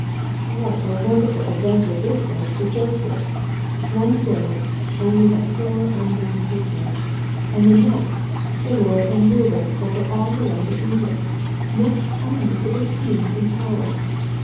What a wonderful adventure this was for Joseph! One day only a poor unknown prisoner, and the next the lord and ruler over all the land of Egypt next only to the king in power.